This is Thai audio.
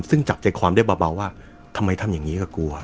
ซึ่งจับใจความได้เบาเบาว่าทำไมทำอย่างงี้กับกูอ่ะ